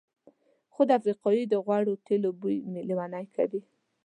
خو د افریقایي د غوړو تېلو بوی مې لېونی کوي.